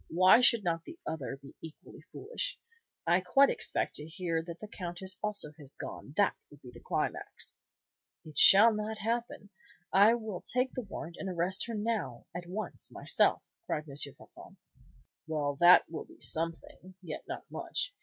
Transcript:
Why should not the other be equally foolish? I quite expect to hear that the Countess also has gone, that would be the climax!" "It shall not happen. I will take the warrant and arrest her now, at once, myself," cried M. Floçon. "Well, that will be something, yet not much.